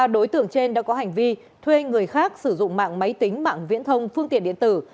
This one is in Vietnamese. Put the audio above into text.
ba đối tượng trên đã có hành vi thuê người khác sử dụng mạng máy tính mạng viễn thông phương tiện điện tử